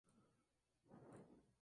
Es nativa del Reino Unido.